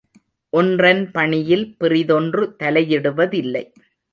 ஒன்றன் பணியில் பிறிதொன்று தலையிடுவதில்லை.